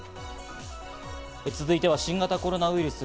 続いては新型コロナウイルス。